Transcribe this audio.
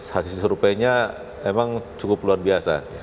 hasil surveinya memang cukup luar biasa